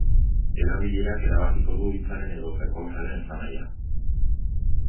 Erabilerak erabakiko du hitzaren edo perpausaren esanahia.